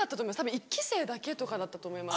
１期生だけとかだったと思います